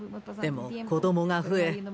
でも子どもが増え